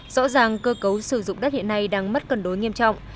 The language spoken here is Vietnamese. rõ ràng cơ cấu sử dụng đất hiện nay đang mất cân đối nghiêm trọng